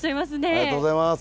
ありがとうございます。